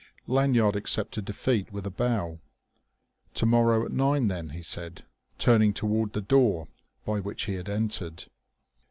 Lanyard accepted defeat with a bow. "To morrow at nine, then," he said, turning toward the door by which he had entered.